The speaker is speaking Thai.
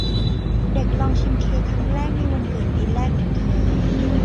เด็กลองชิมเค้กครั้งแรกในวันเกิดปีแรกของเธอ